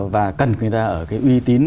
và cần người ta ở cái uy tín